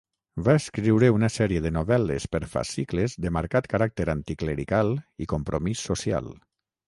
Va escriure una sèrie de novel·les per fascicles de marcat caràcter anticlerical i compromís social.